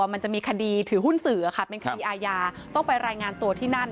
มันจะมีคดีถือหุ้นสื่อค่ะเป็นคดีอาญาต้องไปรายงานตัวที่นั่น